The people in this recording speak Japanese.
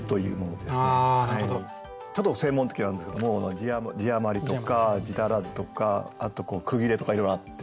ちょっと専門的なんですけども字余りとか字足らずとかあと句切れとかいろいろあってですね